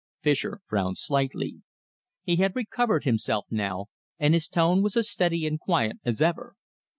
Fischer frowned slightly. He had recovered himself now, and his tone was as steady and quiet as ever.